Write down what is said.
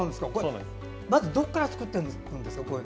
まずどこから作っていくんですか？